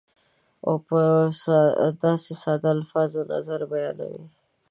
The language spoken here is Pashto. او په داسې ساده الفاظو نظر بیانوي